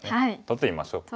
取ってみましょう。